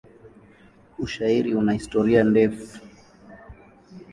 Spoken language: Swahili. Ushairi una historia ndefu.